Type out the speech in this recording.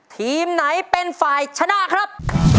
ทีมไหนเป็นฝ่ายชนะครับ